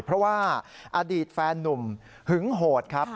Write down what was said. เพราะว่าอดีตแฟนนุ่มหึงโหดครับ